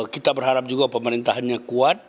kita berharap juga pemerintahannya kuat